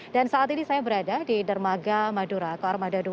dan saat ini saya berada di dermaga madura ke armada dua